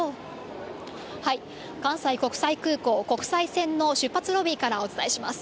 関西国際空港、国際線の出発ロビーからお伝えします。